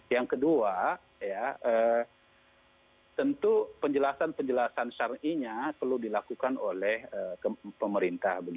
yang kedua tentu penjelasan penjelasan syarinya perlu dilakukan oleh pemerintah